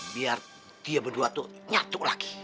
biar dia berdua tuh nyatu lagi